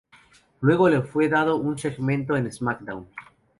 Luego le fue dado un segmento en "SmackDown!